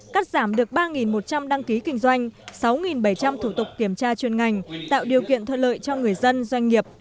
cắt giảm được ba một trăm linh đăng ký kinh doanh sáu bảy trăm linh thủ tục kiểm tra chuyên ngành tạo điều kiện thuận lợi cho người dân doanh nghiệp